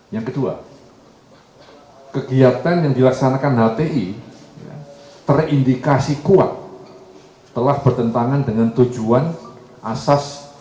yang kedua kegiatan yang dilaksanakan hti terindikasi kuat telah bertentangan dengan tujuan asas